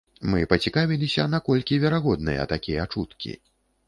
Мы пацікавіліся, наколькі верагодныя такія чуткі.